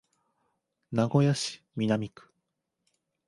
名古屋市南区